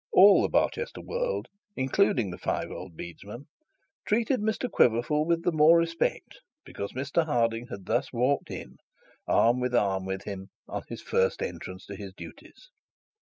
All the Barchester world, including the five old bedesmen, treated Mr Quiverful with the more respect, because Mr Harding had thus walked in arm in arm with him, on his first entrance to his duties.